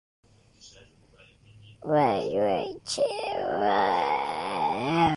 The promenade spans and occupies along the waterfront.